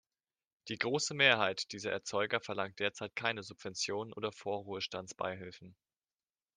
Die große Mehrheit dieser Erzeuger verlangt derzeit keine Subventionen oder Vorruhestandsbeihilfen.